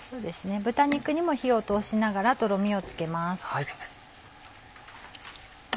豚肉にも火を通しながらとろみをつけます。